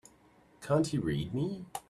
Can't you read me?